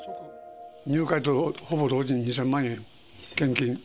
入会とほぼ同時に２０００万円献金。